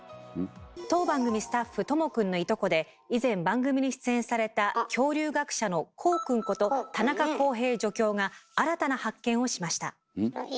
当番組スタッフとも君のいとこで以前番組に出演された恐竜学者のこう君こと田中康平助教が新たな発見をしました。